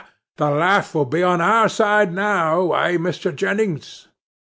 the laugh will be on our side now; eh, Mr. Jennings?